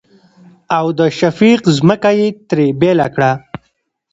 او د شفيق ځمکه يې ترې بيله کړه.